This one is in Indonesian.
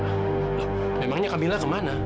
loh memangnya kamila ke mana